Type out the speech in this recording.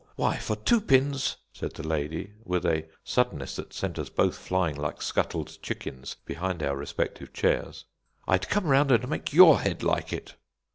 Why, for two pins," said the lady, with a suddenness that sent us both flying like scuttled chickens behind our respective chairs, "I'd come round and make your head like it!"